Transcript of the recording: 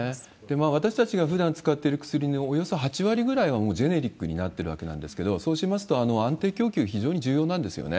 私たちがふだん使っている薬のおよそ８割ぐらいは、もうジェネリックになってるわけなんですけれども、そうしますと、安定供給、非常に重要なんですよね。